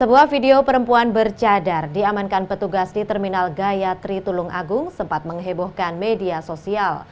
sebuah video perempuan bercadar diamankan petugas di terminal gaya tritulung agung sempat menghebohkan media sosial